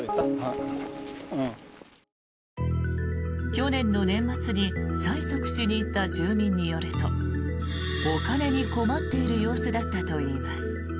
去年の年末に催促しに行った住民によるとお金に困っている様子だったといいます。